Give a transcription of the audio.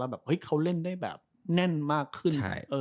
แล้วเขาเล่นได้แน่นมากขึ้น